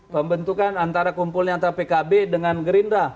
pembentukan antara kumpulnya antara pkb dengan gerindra